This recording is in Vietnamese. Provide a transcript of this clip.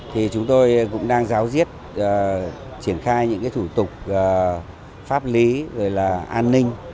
thì chúng tôi cũng đang giáo diết triển khai những thủ tục pháp lý rồi là an ninh